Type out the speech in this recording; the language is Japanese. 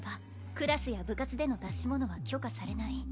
クラスや部活での出し物は許可されない